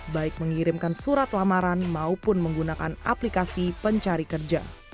baik mengirimkan surat lamaran maupun menggunakan aplikasi pencari kerja